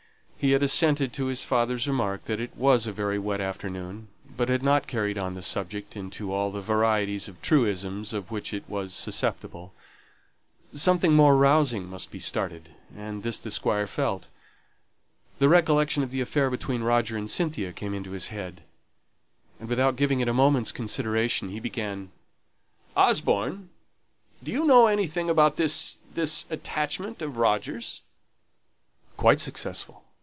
He had assented to his father's remark that it was a very wet afternoon, but had not carried on the subject into all the varieties of truisms of which it was susceptible. Something more rousing must be started, and this the Squire felt. The recollection of the affair between Roger and Cynthia came into his head, and, without giving it a moment's consideration, he began, "Osborne! Do you know anything about this this attachment of Roger's?" Quite successful.